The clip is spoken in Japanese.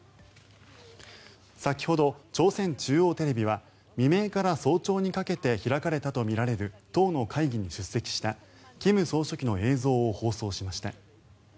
先ほど、朝鮮中央テレビは未明から早朝にかけて開かれたとみられる党の会議に出席した金総書記の映像を放送しました。